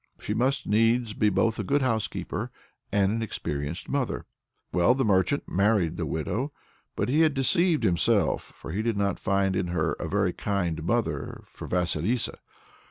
She must needs be both a good housekeeper and an experienced mother. Well, the merchant married the widow, but he had deceived himself, for he did not find in her a kind mother for his Vasilissa.